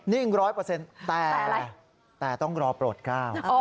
นี่อีกร้อยเปอร์เซ็นต์แต่ต้องรอโปรดค่ะ